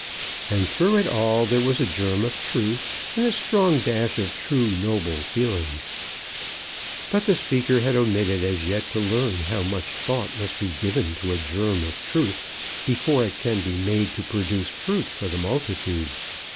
And through it all there was a germ of truth and a strong dash of true, noble feeling; but the speaker had omitted as yet to learn how much thought must be given to a germ of truth before it can be made to produce fruit for the multitude.